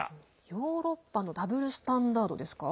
ヨーロッパのダブルスタンダードですか？